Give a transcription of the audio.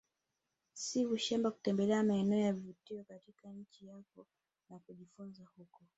Si ushamba kutembelea maeneo ya vivutio katika nchi yako na kujifunza huko